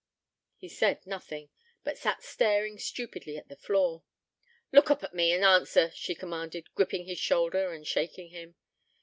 He said nothing; but sat staring stupidly at the floor. 'Look oop at me, and answer,' she commanded, gripping his shoulder and shaking him.